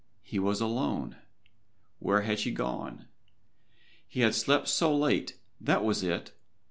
He was alone where had she gone? He had slept so late, that was it.